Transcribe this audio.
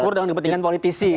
diukur dengan kepentingan politisi